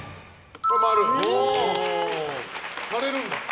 されるんだ。